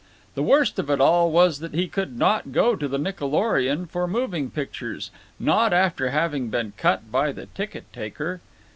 The worst of it all was that he could not go to the Nickelorion for moving pictures; not after having been cut by the ticket taker.